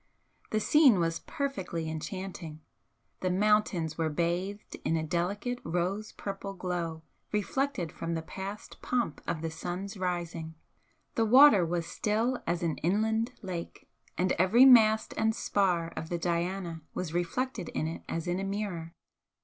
The scene was perfectly enchanting; the mountains were bathed in a delicate rose purple glow reflected from the past pomp of the sun's rising, the water was still as an inland lake, and every mast and spar of the 'Diana' was reflected in it as in a mirror.